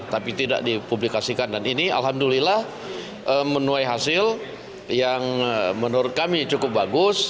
tapi tidak dipublikasikan dan ini alhamdulillah menuai hasil yang menurut kami cukup bagus